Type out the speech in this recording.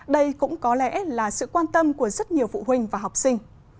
đây cũng có lẽ là sự quan tâm của rất nhiều phụ huynh và học sinh